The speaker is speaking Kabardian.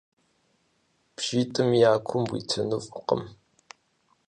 Бжитӏым я кум уитыну фӏыкъым.